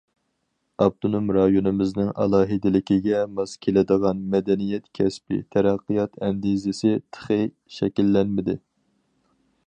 ئاپتونوم رايونىمىزنىڭ ئالاھىدىلىكىگە ماس كېلىدىغان مەدەنىيەت كەسپىي تەرەققىيات ئەندىزىسى تېخى شەكىللەنمىدى.